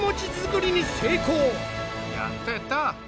やったやった！